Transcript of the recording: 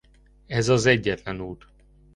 Ez az egyetlen út.